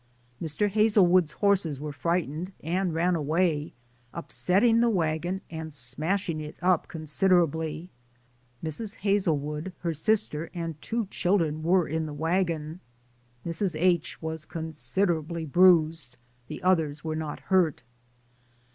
Mr. Hazel wood's horses were frightened and ran away, upset ting the wagon and smashing it up consider ably. Mrs. Hazelwood, her sister, and two children were in the wagon; Mrs. H. was considerably bruised, the others were not hurt.